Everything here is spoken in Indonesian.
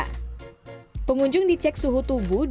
fokus urutan covid daerah pulau manila